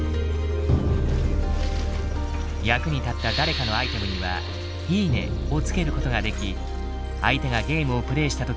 役に立った誰かのアイテムには「いいね」をつけることができ相手がゲームをプレイした時に伝わるようになっている。